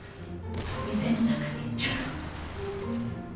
店の中にチャカが。